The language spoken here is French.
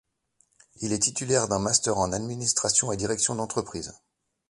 Il est titulaire d'un master en administration et direction d'entreprises.